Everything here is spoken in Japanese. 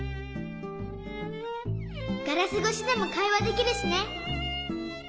ガラスごしでもかいわできるしね。